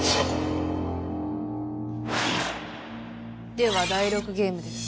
では第６ゲームです。